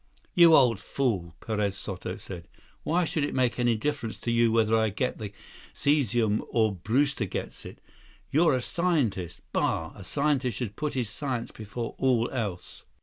"You old fool!" Perez Soto said. "Why should it make any difference to you whether I get the cesium or Brewster gets it? You're a scientist. Bah! A scientist should put his science before all else."